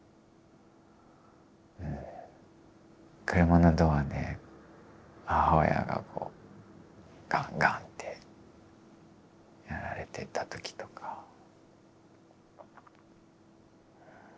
車のドアで母親がガンガンってやられてた時とかありましたね。